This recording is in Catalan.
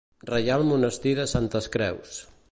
Reial Monestir de Santes Creus.